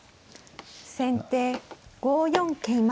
先手５四桂馬。